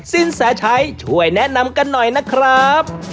สินแสชัยช่วยแนะนำกันหน่อยนะครับ